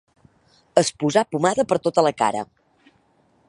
Es posà pomada per tota la cara.